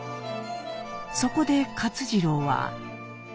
そこで勝次郎は？